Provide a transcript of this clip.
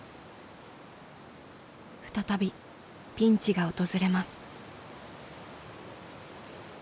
再びピンチが訪れます。